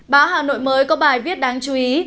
báo hà nội mới có bài viết đáng chú ý